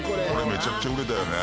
めちゃくちゃ売れたよね。